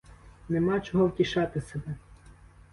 Нема чого втішати себе!